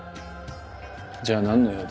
じゃあ何の用だ？